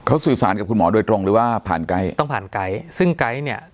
เขาสื่อสารกับคุณหมอโดยตรงหรือว่าผ่านไกด์ต้องผ่านไกด์ซึ่งไก๊เนี่ย